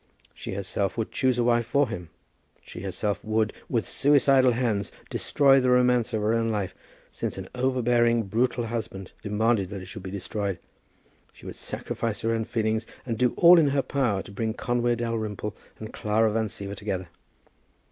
She herself would choose a wife for him. She herself would, with suicidal hands, destroy the romance of her own life, since an overbearing, brutal husband demanded that it should be destroyed. She would sacrifice her own feelings, and do all in her power to bring Conway Dalrymple and Clara Van Siever together.